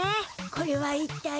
これはいったい？